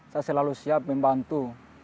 saya selalu siap membantu